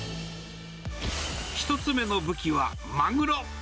１つ目の武器はマグロ。